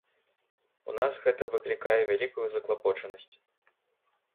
У нас гэта выклікае вялікую заклапочанасць.